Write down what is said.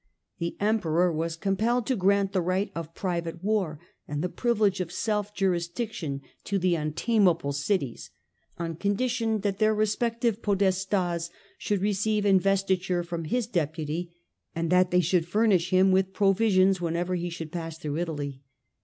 The Emperor was compelled to grant the right of private war and the privilege of self jurisdiction to the untameable cities, on condition that their respective Podestas should receive investiture from his deputy and that they should furnish him with provisions whenever he should pass through Italy.